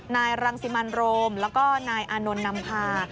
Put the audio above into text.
นายรังสิมันโรมแล้วก็นายอานนท์นำพา